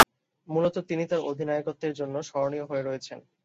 মূলতঃ তিনি তার অধিনায়কত্বের জন্য স্মরণীয় হয়ে রয়েছেন।